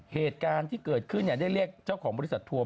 เหตุการณ์ที่เกิดขึ้นได้เรียกเจ้าของบริษัททัวร์